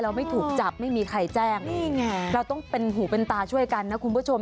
เราต้องเป็นหูเป็นตาช่วยกันนะคุณผู้ชม